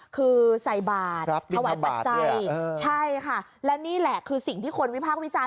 คือใส่บาทถวายปัจจัยใช่ค่ะและนี่แหละคือสิ่งที่คนวิพากษ์วิจารณ